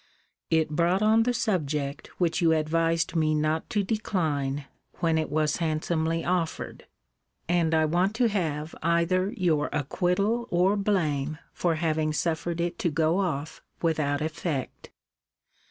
It brought on the subject which you advised me not to decline, when it was handsomely offered. And I want to have either your acquittal or blame for having suffered it to go off without effect.